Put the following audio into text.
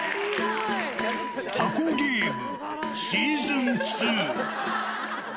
タコゲームシーズン２。